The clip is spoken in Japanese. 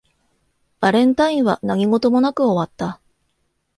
バレンタインは何事もなく終わった